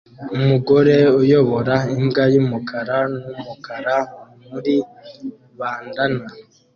Umugore uyobora imbwa yumukara numukara muri bandanna